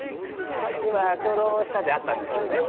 今ちょうど下で会ったんですけどね